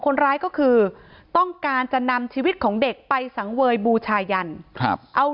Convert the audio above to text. คนร้ายก็คือต้องการจะนำชีวิตของเด็กไปสังเวยบูชายันครับเอา